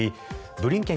ブリンケン